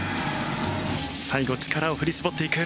最後力を振り絞っていく。